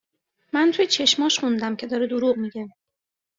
من توی چشماش خوندم که داره دروغ میگه